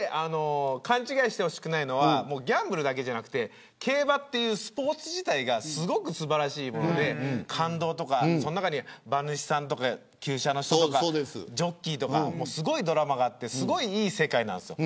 勘違いしてほしくないのはギャンブルだけじゃなくて競馬というスポーツ自体がすごく素晴らしいもので感動とか、その中に馬主さんとか厩舎の人とかジョッキーとかすごいドラマがあってすごくいい世界なんですよ。